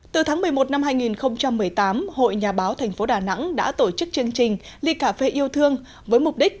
từ tháng một mươi một năm hai nghìn một mươi tám hội nhà báo tp đà nẵng đã tổ chức chương trình ly cà phê yêu thương với mục đích